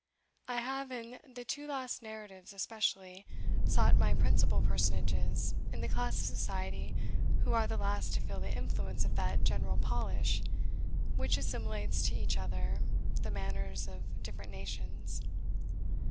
I have, in the two last narratives especially, sought my principal personages in the class of society who are the last to feel the influence of that general polish which assimilates to each other the manners of different nations.